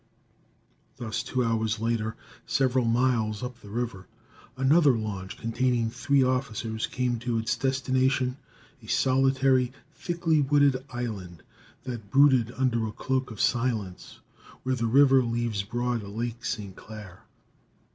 Thus, two hours later, several miles up the river, another launch containing three officers came to its destination, a solitary, thickly wooded island that brooded under a cloak of silence where the river leaves broad Lake St. Clair.